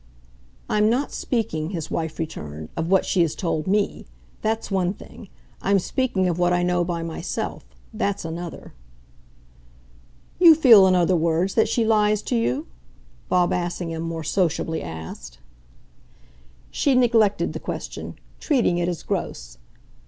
"I'm not speaking," his wife returned, "of what she has told me. That's one thing. I'm speaking of what I know by myself. That's another." "You feel, in other words, that she lies to you?" Bob Assingham more sociably asked. She neglected the question, treating it as gross.